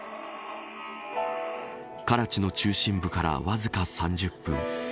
カラチの中心部からわずか３０分。